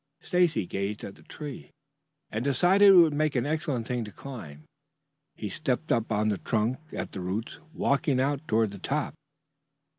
Stacy gazed at the tree and decided that it would make an excellent thing to climb. He stepped up on the trunk at the roots, walking out toward the top.